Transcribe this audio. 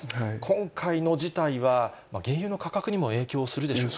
今回の事態は原油の価格にも影響するでしょうか。